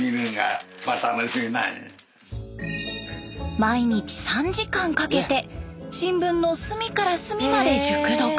毎日３時間かけて新聞の隅から隅まで熟読。